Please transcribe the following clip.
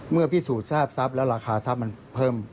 พิสูจน์ทราบทรัพย์แล้วราคาทรัพย์มันเพิ่ม